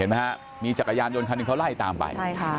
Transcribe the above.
เห็นไหมมีจักรยานยนต์คันอื่นเขาไล่ตามไป